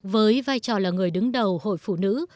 với vai trò là người đứng đầu hội phụ nữ